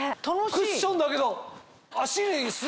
クッションだけど。